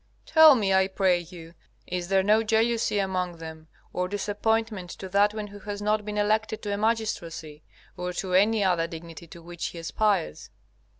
Tell me, I pray you, is there no jealousy among them or disappointment to that one who has not been elected to a magistracy, or to any other dignity to which he aspires?